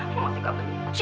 cuma tika benci